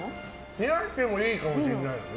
冷やしてもいいかもしれないですね。